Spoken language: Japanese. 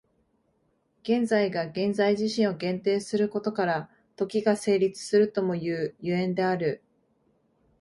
現在が現在自身を限定することから、時が成立するともいう所以である。